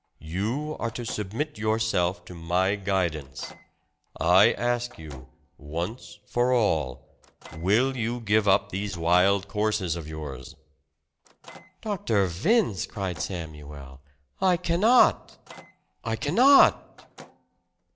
"You are to submit yourself to my guidance. I ask you, once for all, Will you give up these wild courses of yours?" "Dr. Vince," cried Samuel, "I cannot! I cannot!"